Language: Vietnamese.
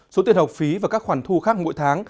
số tiền học phí và các khoản thu khác mỗi tháng